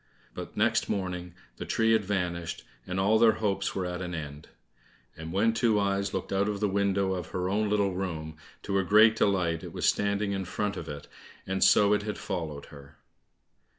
But next morning, the tree had vanished, and all their hopes were at an end. And when Two eyes looked out of the window of her own little room, to her great delight it was standing in front of it, and so it had followed her.